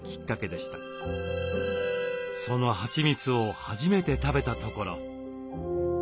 そのはちみつを初めて食べたところ。